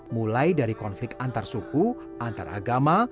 mulai dari konflik antar suku antar agama